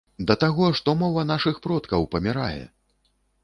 Да таго, што мова нашых продкаў памірае!